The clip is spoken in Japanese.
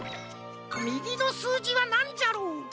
みぎのすうじはなんじゃろう？